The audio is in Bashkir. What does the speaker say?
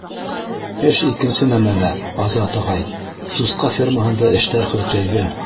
Эш икенсе нәмәлә, Азат ағай, сусҡа фермаһында эштәр хөртәйҙе.